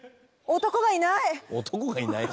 「男がいない？」